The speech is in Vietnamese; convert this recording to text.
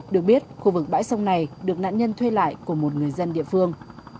được biết khu vực bãi sông này được nạn nhân thuê lại của một người dân địa phương